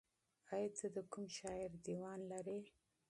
ایا ته د کوم شاعر دیوان لرې؟